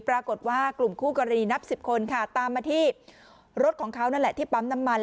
ปรากฏว่ากลุ่มคู่กรณีนับสิบคนค่ะตามมาที่รถของเขานั่นแหละที่ปั๊มน้ำมัน